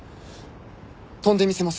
跳んでみせます。